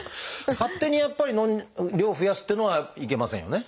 勝手にやっぱり量を増やすっていうのはいけませんよね？